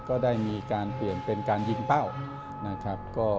ก็ได้มีการเปลี่ยนเป็นการยิงเป้านะครับ